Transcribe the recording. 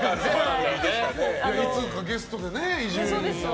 いつかゲストで伊集院さんも。